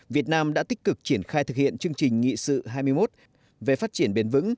việt nam đã tích cực triển khai thực hiện chương trình nghị sự hai mươi một về phát triển bền vững